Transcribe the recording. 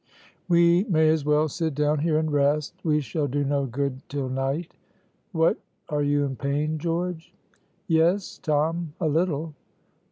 "We may as well sit down here and rest; we shall do no good till night. What, are you in pain, George?" "Yes, Tom, a little."